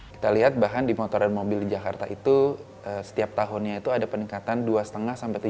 kita lihat bahkan di motoran mobil di jakarta itu setiap tahunnya itu ada peningkatan dua lima sampai tiga puluh